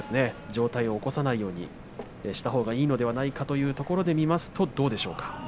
上体を起こさないようにしたほうがいいのではないかというところで見ますとどうでしょうか。